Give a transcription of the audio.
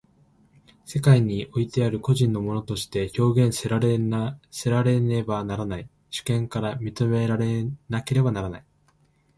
世界においてある個人の物として表現せられねばならない、主権から認められなければならない。